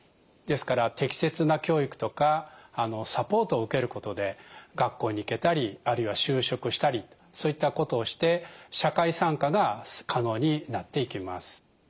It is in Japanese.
ですから適切な教育とかサポートを受けることで学校に行けたりあるいは就職したりそういったことをして社会参加が可能になっていきます。